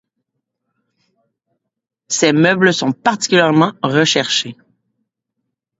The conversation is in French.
Ses meubles sont particulièrement recherchés.